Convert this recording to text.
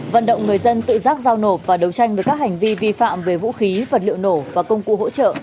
vận động người dân tự giác giao nộp và đấu tranh với các hành vi vi phạm về vũ khí vật liệu nổ và công cụ hỗ trợ